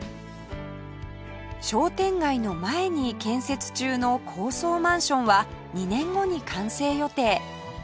商店街の前に建設中の高層マンションは２年後に完成予定